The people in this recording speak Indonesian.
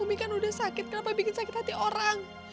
umi kan udah sakit kenapa bikin sakit hati orang